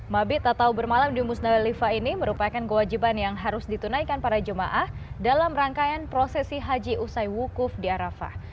mabit atau bermalam di musnahlifah ini merupakan kewajiban yang harus ditunaikan para jemaah dalam rangkaian prosesi haji usai wukuf di arafah